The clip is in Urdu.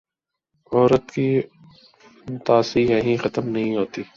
عورت کی فنتاسی یہیں ختم نہیں ہوتی۔